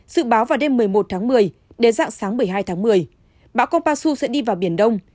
dự báo vào đêm một mươi một tháng một mươi đến sáng một mươi hai tháng một mươi báo kompassu sẽ đi vào biển đông